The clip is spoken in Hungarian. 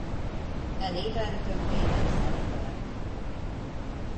E néven többé nem szerepelt.